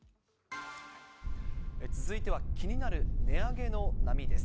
続いては気になる値上げの波です。